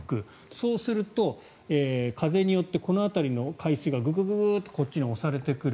そうすると風によってこの辺りの海水がグググッとこっちに押されてくる